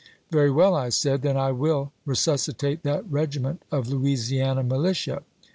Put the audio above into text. Very well, I said, then I will resuscitate that regiment of Louisiana Militia.